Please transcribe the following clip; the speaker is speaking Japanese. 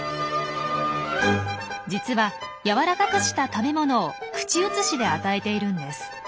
実は軟らかくした食べ物を口移しで与えているんです。